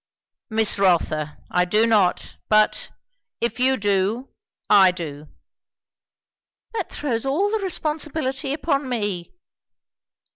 "Miss Rotha, I do not. But if you do, I do." "That throws all the responsibility upon me."